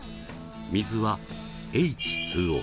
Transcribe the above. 水はＨＯ。